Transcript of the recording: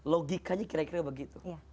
logikanya kira kira begitu